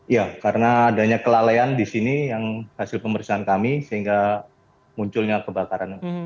ya karena adanya kelalaian di sini yang hasil pemeriksaan kami sehingga munculnya kebakaran